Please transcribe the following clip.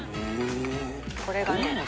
これがね